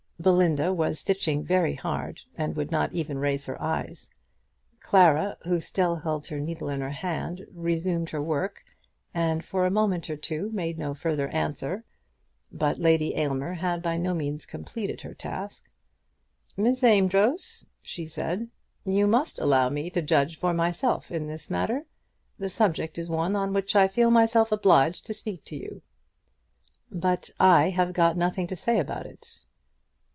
Belinda was stitching very hard, and would not even raise her eyes. Clara, who still held her needle in her hand, resumed her work, and for a moment or two made no further answer. But Lady Aylmer had by no means completed her task. "Miss Amedroz," she said, "you must allow me to judge for myself in this matter. The subject is one on which I feel myself obliged to speak to you." "But I have got nothing to say about it."